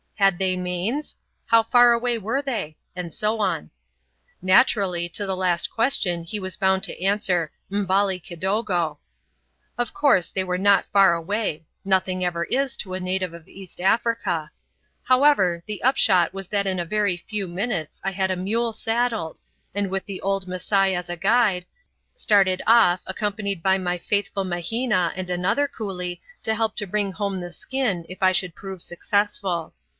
had they manes? how far away were they? and so on. Naturally, to the last question he was bound to answer "M'bali kidogo." Of course they were not far away; nothing ever is to a native of East Africa. However, the upshot was that in a very few minutes I had a mule saddled, and with the old Masai as guide, started off accompanied by my faithful Mahina and another coolie to help to bring home the skin if I should prove successful.